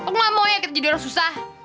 oh gak mau ya kita jadi orang susah